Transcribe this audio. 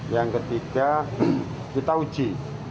yang ketiga kita uji